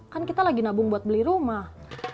kan kita lagi nabung buat beli rumah